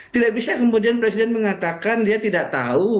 tidak bisa kemudian presiden mengatakan dia tidak tahu